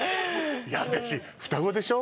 いや双子でしょ？